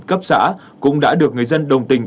cấp xã cũng đã được người dân đồng tình